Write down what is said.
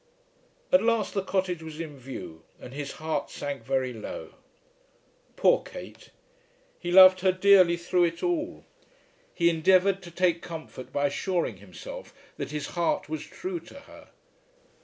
At last the cottage was in view, and his heart sank very low. Poor Kate! He loved her dearly through it all. He endeavoured to take comfort by assuring himself that his heart was true to her.